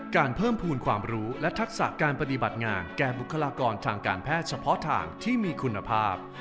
เพิ่มภูมิความรู้และทักษะการปฏิบัติงานแก่บุคลากรทางการแพทย์เฉพาะทางที่มีคุณภาพ